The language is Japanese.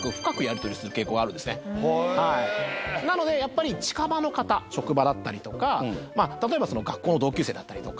なのでやっぱり近場の方職場だったりとか例えば学校の同級生だったりとか。